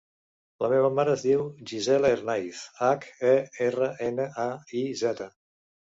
La meva mare es diu Gisela Hernaiz: hac, e, erra, ena, a, i, zeta.